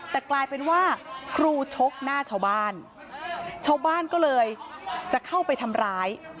แต่กลายเป็นว่าครูชกหน้าชาวบ้านชาวบ้านก็เลยจะเข้าไปทำร้าย